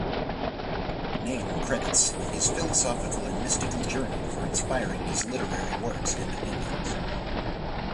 Naim credits his philosophical and mystical journey for inspiring his literary works and opinions.